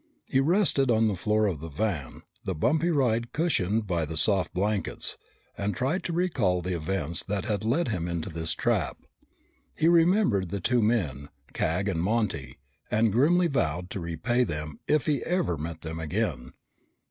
He rested on the floor of the van, the bumpy ride cushioned by the soft blankets, and tried to recall the events that had led him into this trap. He remembered the two men, Cag and Monty, and grimly vowed to repay them if he ever met them again.